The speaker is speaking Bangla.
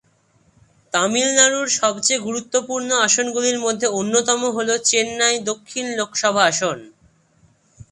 তামিলনাড়ুর সবচেয়ে গুরুত্বপূর্ণ আসনগুলির মধ্যে অন্যতম হল চেন্নাই দক্ষিণ লোকসভা আসন।